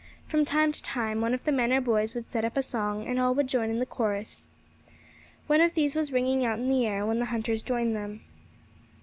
From time to time one of the men or boys would set up a song, and all would join in the chorus. One of these was ringing out in the air when the hunters joined them.